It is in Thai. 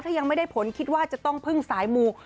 ถ้ายังไม่ได้ผลคิดว่าจะต้องพึ่งสายมู